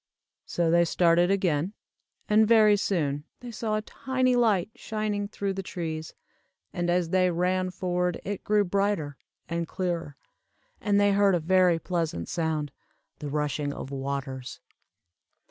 '" So they started again, and very soon they saw a tiny light shining through the trees, and as they ran forward it grew brighter, and clearer, and they heard a very pleasant sound, the rushing of waters.